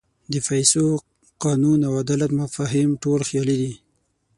د پیسو، قانون او عدالت مفاهیم ټول خیالي دي.